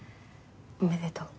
おめでとう。